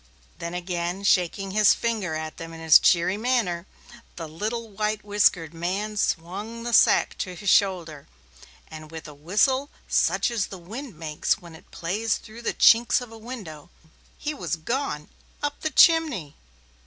Then, again shaking his finger at them in his cheery manner, the little white whiskered man swung the sack to his shoulder, and with a whistle such as the wind makes when it plays through the chinks of a window, he was gone up the chimney.